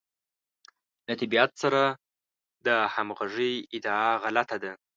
له طبیعت سره د همغږۍ ادعا غلطه ده.